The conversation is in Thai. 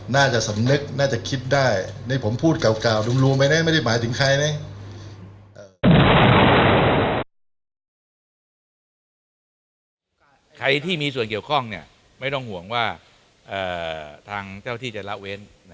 น่าจะสำนึกน่าจะคิดได้นี่ผมพูดเก่ารูมไม่ได้หมายถึงใครไหม